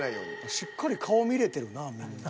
しっかり顔見れてるなみんな。